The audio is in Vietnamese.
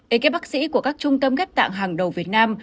ek bác sĩ của các trung tâm ghép tạng hàng đầu việt nam